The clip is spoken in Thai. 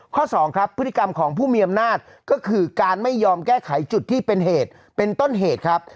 สองครับพฤติกรรมของผู้มีอำนาจก็คือการไม่ยอมแก้ไขจุดที่เป็นเหตุเป็นต้นเหตุครับ